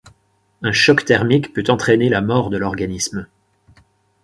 Un choc thermique peut entraîner la mort de l'organisme.